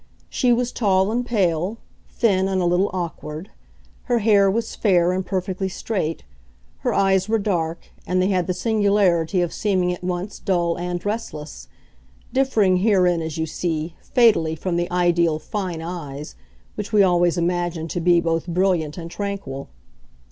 She was tall and pale, thin and a little awkward; her hair was fair and perfectly straight; her eyes were dark, and they had the singularity of seeming at once dull and restless—differing herein, as you see, fatally from the ideal "fine eyes," which we always imagine to be both brilliant and tranquil.